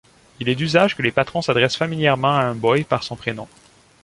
Il est d'usage que les patrons s'adressent familièrement à un boy par son prénom.